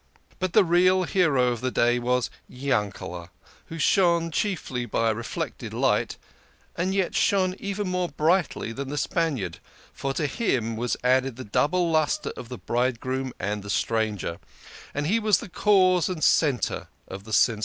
But the real hero of the day was Yankel, who shone chiefly by reflected light, but yet shone even more bril liantly than the Spaniard, for to him was added the double lustre of the bridegroom and the stranger, and he was the cause and centre of the sensation.